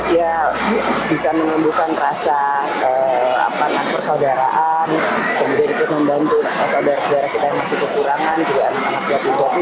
ya bisa menemukan rasa persaudaraan kemudian itu membantu saudara saudara kita yang masih kekurangan juga anak yatim piatu